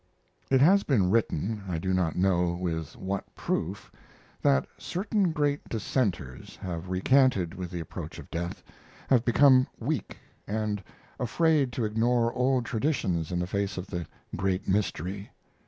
It has been written I do not know with what proof that certain great dissenters have recanted with the approach of death have become weak, and afraid to ignore old traditions in the face of the great mystery.